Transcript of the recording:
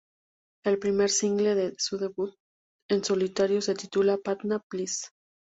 El primer single de su debut en solitario se titula "Patna Please".